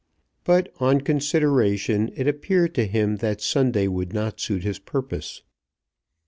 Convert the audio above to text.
But on consideration it appeared to him that Sunday would not suit his purpose.